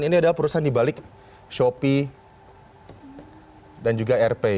ini adalah perusahaan di balik shopee dan juga airpay